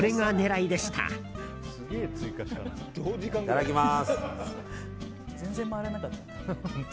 いただきます。